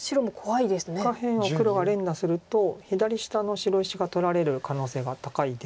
下辺は黒が連打すると左下の白石が取られる可能性が高いです。